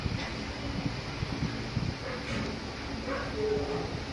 The climate data is from the Moosonee around to the west.